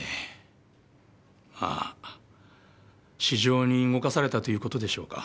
まぁ私情に動かされたということでしょうか。